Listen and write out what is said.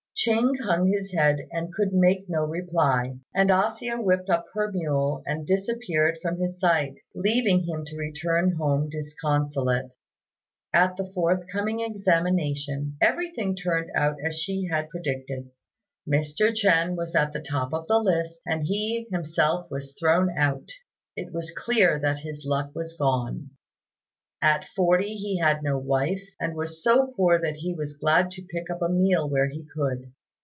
Ching hung his head and could make no reply; and A hsia whipped up her mule and disappeared from his sight, leaving him to return home disconsolate. At the forthcoming examination, everything turned out as she had predicted; Mr. Ch'ên was at the top of the list, and he himself was thrown out. It was clear that his luck was gone. At forty he had no wife, and was so poor that he was glad to pick up a meal where he could.